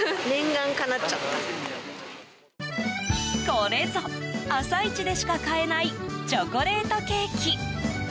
これぞ、朝市でしか買えないチョコレートケーキ。